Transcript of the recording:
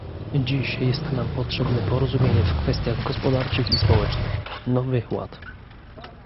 Dziś jest nam potrzebne porozumienie w kwestiach gospodarczych i społecznych, "nowy ład"